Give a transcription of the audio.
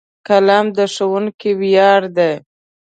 قلم د ښوونکي ویاړ دی.